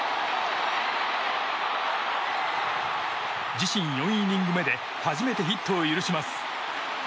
自身４イニング目で初めてヒットを許します。